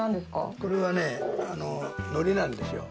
これはね糊なんですよ。